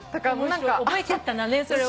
覚えちゃったんだねそれを。